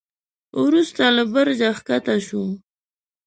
وروسته له برجه کښته شو.